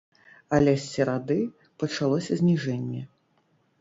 Але з серады пачалося зніжэнне.